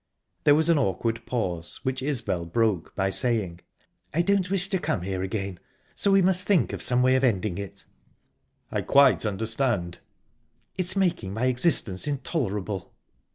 There was an awkward pause, which Isbel broke by saying: "I don't wish to come here again, so we must think of some way of ending it." "I quite understand." "It's making my existence intolerable."